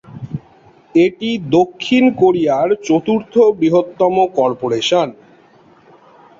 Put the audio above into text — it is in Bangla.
এটি দক্ষিণ কোরিয়ার চতুর্থ বৃহত্তম কর্পোরেশন।